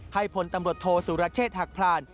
ให้พลตำรวจโทษศุรเชษฐ์หักผ่าน